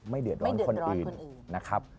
เดือดร้อนคนอื่นนะครับ